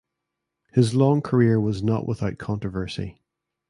His long career was not without controversy.